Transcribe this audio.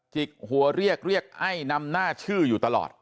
กหัวเรียกเรียกไอ้นำหน้าชื่ออยู่ตลอด